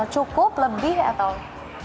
cukup lebih atau